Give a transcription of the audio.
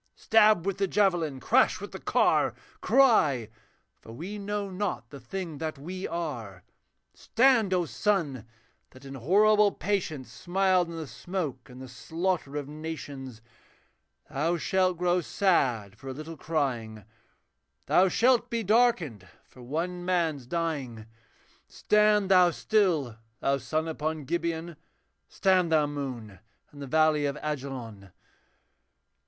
Stab with the javelin, crash with the car! Cry! for we know not the thing that we are. Stand, O sun! that in horrible patience Smiled on the smoke and the slaughter of nations. Thou shalt grow sad for a little crying, Thou shalt be darkened for one man's dying Stand thou still, thou sun upon Gibeon, Stand thou, moon, in the valley of Ajalon!'